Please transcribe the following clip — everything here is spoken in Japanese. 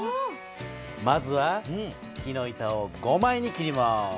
まずは木の板を５枚に切ります。